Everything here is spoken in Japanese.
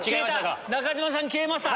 中島さん消えました。